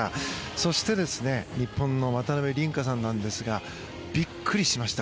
そして日本の渡辺倫果さんなんですがびっくりしました。